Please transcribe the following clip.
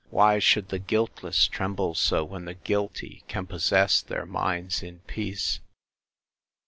—Why should the guiltless tremble so, when the guilty can possess their minds in peace?